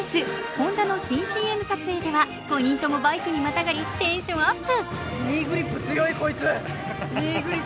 Ｈｏｎｄａの新ＣＭ撮影では５人ともバイクにまたがりテンションアップ！